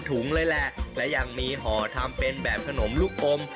ถุงเลยแหละและยังมีห่อทำเป็นแบบขนมลูกอม